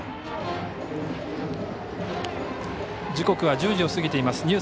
時刻は１０時を過ぎています。